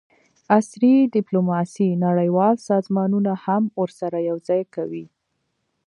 عصري ډیپلوماسي نړیوال سازمانونه هم ورسره یوځای کوي